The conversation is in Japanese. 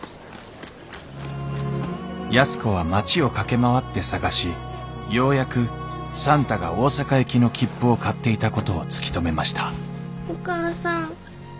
安子は町を駆け回って捜しようやく算太が大阪行きの切符を買っていたことを突き止めましたお母さん。